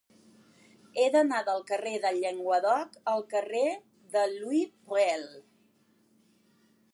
He d'anar del carrer del Llenguadoc al carrer de Louis Braille.